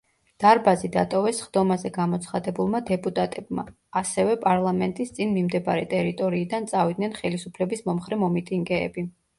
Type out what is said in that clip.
დარბაზი დატოვეს სხდომაზე გამოცხადებულმა დეპუტატებმა, ასევე, პარლამენტის წინ მიმდებარე ტერიტორიიდან წავიდნენ ხელისუფლების მომხრე მომიტინგეები.